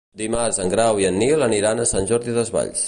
Dimarts en Grau i en Nil aniran a Sant Jordi Desvalls.